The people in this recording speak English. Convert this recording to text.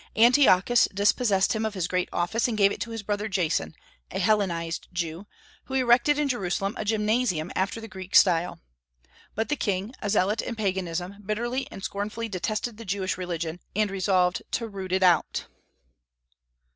Antiochus dispossessed him of his great office and gave it to his brother Jason, a Hellenized Jew, who erected in Jerusalem a gymnasium after the Greek style. But the king, a zealot in paganism, bitterly and scornfully detested the Jewish religion, and resolved to root it out.